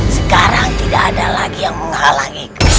sekarang tidak ada lagi yang menghalangi gue